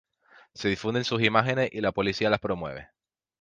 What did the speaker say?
Se difunden sus imágenes y la policía las promueve".